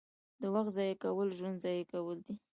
• د وخت ضایع کول ژوند ضایع کول دي.